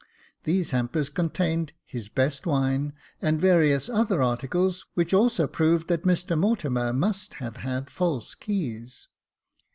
These hampers contained his best wine, and various other articles, which also proved that Mr Mortimer must have had false keys.